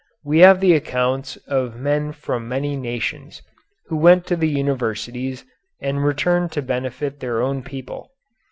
We have the accounts of men from many nations who went to the universities and returned to benefit their own people.